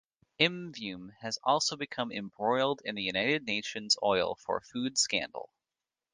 Imvume has also become embroiled in the United Nations oil for food scandal.